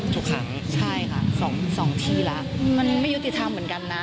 ทุกครั้งใช่ค่ะสองที่แล้วมันไม่ยุติธรรมเหมือนกันนะ